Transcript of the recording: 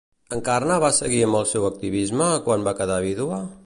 Encarna va seguir amb el seu activisme, quan va quedar vídua?